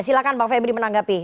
silahkan mbak febri menanggapi